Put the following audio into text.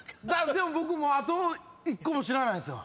でも僕もうあと１個も知らないですよ。